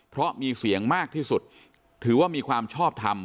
เพราะมีเสียงมากที่สุดถือว่ามีความชอบทำ